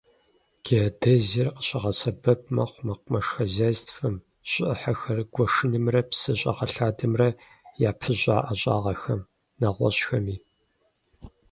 Геодезиер къыщыбгъэсэбэп мэхъу мэкъумэш хозяйствэм, щӀы Ӏыхьэхэр гуэшынымрэ псы щӀэгъэлъадэмрэ япыщӀа ӀэщӀагъэхэм, нэгъуэщӀхэми.